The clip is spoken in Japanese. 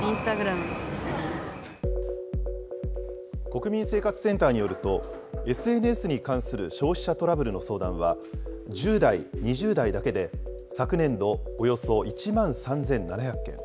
国民生活センターによると、ＳＮＳに関する消費者トラブルの相談は１０代、２０代だけで昨年度およそ１万３７００件。